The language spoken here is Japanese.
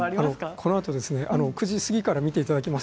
このあと９時過ぎから見ていただきます